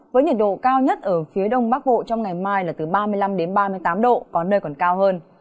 với nhiệt độ cao nhất ở phía đông bắc bộ trong ngày mai là từ ba mươi năm đến ba mươi tám độ có nơi còn cao hơn